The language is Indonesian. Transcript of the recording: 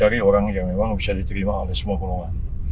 cari orang yang memang bisa diterima oleh semua kelompok